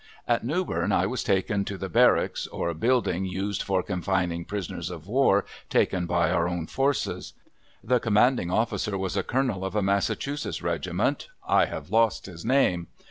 At Newbern I was taken to the barracks, or building used for confining prisoners of war taken by our own forces. The commanding officer was a colonel of a Massachusetts regiment. I have lost his name.